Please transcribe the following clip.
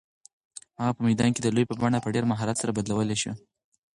هغه په میدان کې د لوبې بڼه په ډېر مهارت سره بدلولی شي.